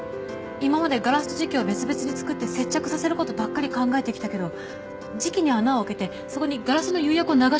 今までガラスと磁器を別々に作って接着させることばっかり考えてきたけど磁器に穴をあけてそこにガラスの釉薬を流し込むんです。